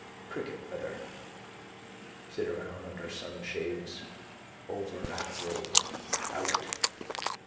Cricket weather. Sit around under sunshades. Over after over. Out.